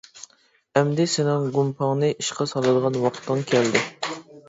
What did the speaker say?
-ئەمدى سېنىڭ گۇمپاڭنى ئىشقا سالىدىغان ۋاقتىڭ كەلدى.